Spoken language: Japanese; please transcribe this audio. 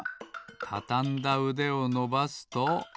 たたんだうでをのばすと。